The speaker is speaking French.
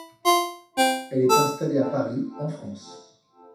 Elle est installée à Paris, en France.